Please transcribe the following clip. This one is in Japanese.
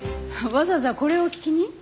わざわざこれを聞きに？